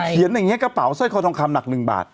เขาเขียนอย่างนี้กระเป๋าสร้อยคอทองคำหนักหนึ่งบาท